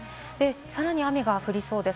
さらに雨が降りそうです。